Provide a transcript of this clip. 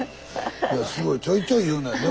すごいちょいちょい言うのよね。